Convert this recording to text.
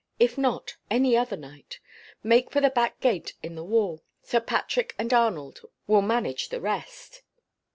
If not, any other night. Make for the back gate in the wall. Sir Patrick and Arnold will manage the rest."